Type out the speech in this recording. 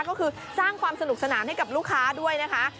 ก็คือสร้างความสนุกสนานให้กับลูกค้าด้วยนะคะ